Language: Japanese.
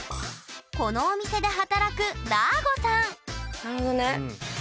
このお店で働くだーごさんなるほどね。